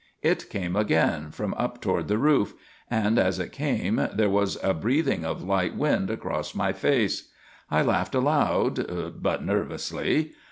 It came again, from up toward the roof; and as it came there was a breathing of light wind across my face. I laughed aloud; but nervously.